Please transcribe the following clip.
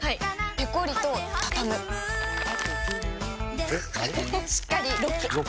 ペコリ！とたたむしっかりロック！